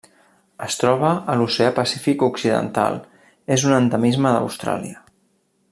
Es troba a l'Oceà Pacífic occidental: és un endemisme d'Austràlia.